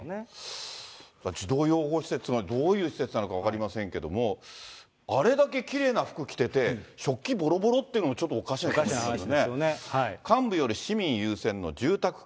児童養護施設も、どういう施設なのか分かりませんけれども、あれだけきれいな服着てて、食器ぼろぼろっていうのもちょっとおかしな話ですよね。